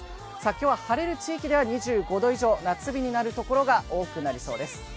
今日は晴れる地域では２５度以上夏日になる所が多くなりそうです。